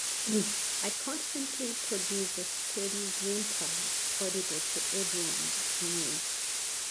I constantly produce a steady whimper audible to everyone but me.